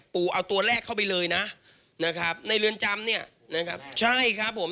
เอาตัวแรกเข้าไปเลยนะนะครับในเรือนจำเนี่ยนะครับใช่ครับผม